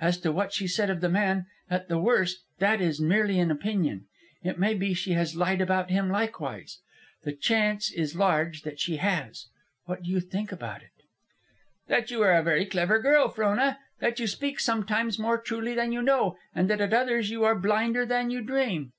As to what she said of the man, at the worst that is merely an opinion. It may be she has lied about him likewise. The chance is large that she has. What do you think about it?" "That you are a very clever girl, Frona. That you speak sometimes more truly than you know, and that at others you are blinder than you dream."